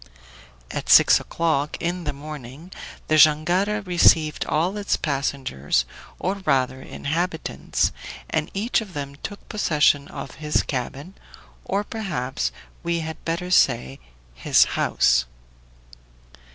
At six o'clock in the morning the jangada received all its passengers, or rather inhabitants, and each of them took possession of his cabin, or perhaps we had better say his house.